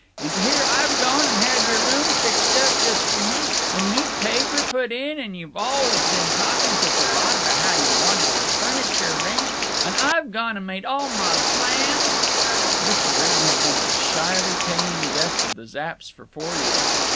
"And here Ah've gone and had your room fixed up just for you, and new paper put in, and you've always been talking such a lot about how you wanted your furniture arranged, and Ah've gone and made all mah plans—" Mr. Wrenn had been a shyly paying guest of the Zapps for four years.